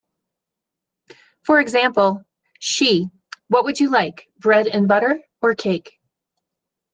For example: She: 'What would you like-bread and butter, or cake?